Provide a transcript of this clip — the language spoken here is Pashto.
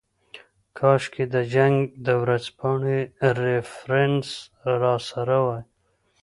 کاشکې د جنګ د ورځپاڼې ریفرنس راسره وای.